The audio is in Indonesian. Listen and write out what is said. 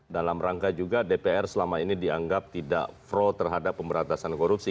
dalam rangka juga dpr selama ini dianggap tidak pro terhadap pemberantasan korupsi